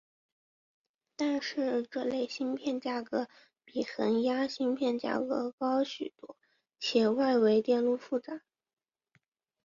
但是这类芯片价格比恒压芯片价格高许多且外围电路复杂。